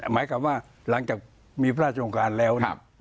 หมายความว่าหลังจากมีพระราชองค์การแล้ว